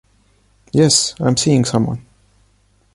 Yes, I'm seeing someone.